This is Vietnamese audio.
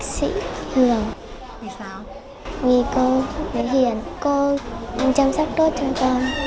vì cô cô hiền cô chăm sóc tốt cho con